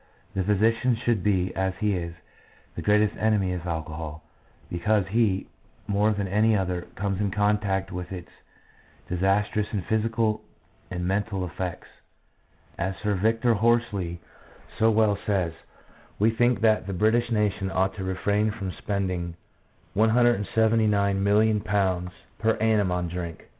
The physician should be, as he is, the greatest enemy of alcohol, because he, more than any other, comes in contact with its disastrous physical and mental effects. As Sir Victor Horsley so well says, " We think that the (British) nation ought to refrain from spending ,£179,000,000 per 4 PSYCHOLOGY OF ALCOHOLISM. annum on drink.